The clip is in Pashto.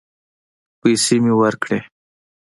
پيسې مې ورکړې.